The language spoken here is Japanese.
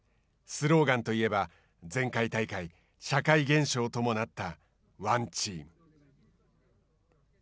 スローガンといえば前回大会、社会現象ともなったワンチーム。